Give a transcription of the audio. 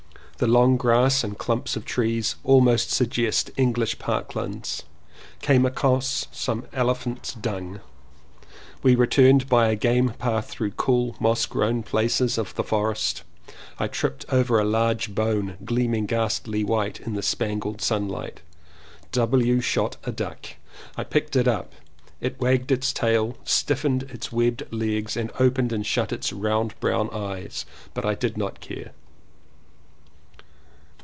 The long grass and clumps of trees almost suggest English parklands. Came upon some elephants' dung. We returned by a game path through cool moss grown places of the forest. I tripped over a large bone gleaming ghastly white in the spangled sunlight. W. shot a wild duck. I picked it up. It wagged its tail, stiffened its webbed legs and opened and shut its round brown eyes, but I did not care.